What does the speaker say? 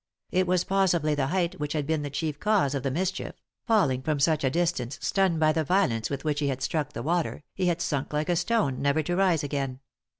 It was possibly the height which had been the chief cause of the mischief; falling from such a distance, stunned by the violence with which he had struck the water, he had sunk like a stone, never to rise again.